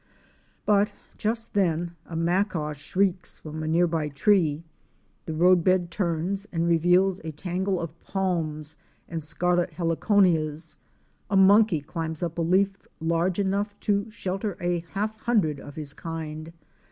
But just then a Macaw shrieks from a near by tree — the road bed turns and reveals a tangle of palms and scarlet heliconias —a monkey climbs up a leaf large enough to shelter half a hundred of his kind.